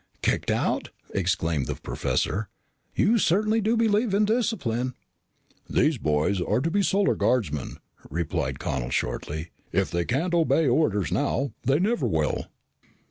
"Kicked out?" exclaimed the professor. "You certainly do believe in discipline." "These boys are to be Solar Guardsmen," replied Connel shortly. "If they can't obey orders now, they never will."